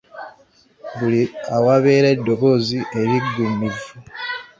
Buli awabeera eddoboozi eriggumivu.